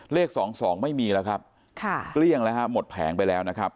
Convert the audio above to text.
เลข๒๒ไม่มีแล้วครับค่ะเกลี้ยงแล้วฮะหมดแผงไปแล้วนะครับ